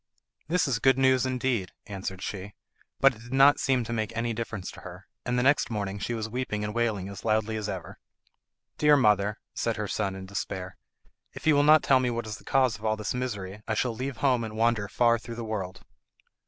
"That is good news indeed," answered she; but it did not seem to make any difference to her, and the next morning she was weeping and wailing as loudly as ever. "Dear mother," said her son in despair, "if you will not tell me what is the cause of all this misery I shall leave home and wander far through the world."